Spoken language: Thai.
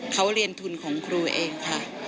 เขาเรียนทุนของครูเองค่ะ